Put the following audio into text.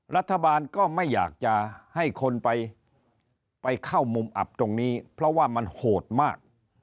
รัฐบาลก็ไม่อยากจะให้คนไปเข้ามุมอับตรงนี้เพราะว่ามันโหดมาก